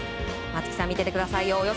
松木さん、見ていてくださいよ。